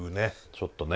ちょっとね